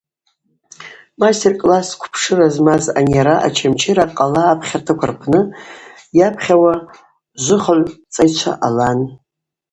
Мастер-класс квпшыра змаз анйара Очамчыра къала апхьартаква рпны йапхьауа жвыхвыгӏв цӏайчва алан.